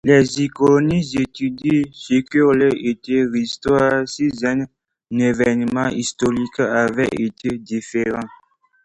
Les uchronies étudient ce qu'aurait été l'Histoire si un événement historique avait été différent.